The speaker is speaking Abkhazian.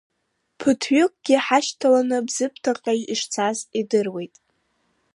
Ԥыҭ-ҩыкгьы ҳашьҭаланы Бзыԥҭаҟа ишцаз идыруеит.